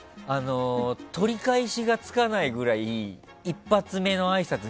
取り返しがつかないぐらい一発目のあいさつ